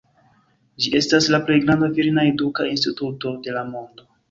Ĝi estas la plej granda virina eduka instituto de la mondo.